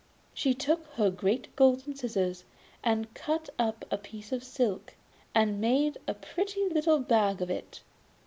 She took her great golden scissors, cut up a piece of silk, and made a pretty little bag of it.